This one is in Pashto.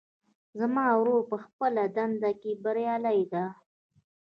زما ورور په خپله دنده کې بریالۍ ده